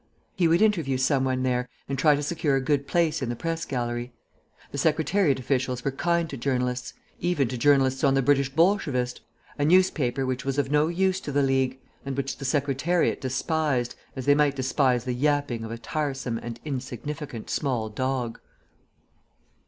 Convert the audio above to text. He would interview some one there and try to secure a good place in the press gallery. The Secretariat officials were kind to journalists, even to journalists on the British Bolshevist, a newspaper which was of no use to the League, and which the Secretariat despised, as they might despise the yapping of a tiresome and insignificant small dog.